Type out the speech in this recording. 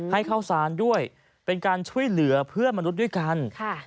ให้เข้าสารด้วยเป็นการช่วยเหลือเพื่อนมนุษย์ด้วยกัน